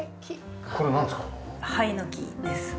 これなんですか？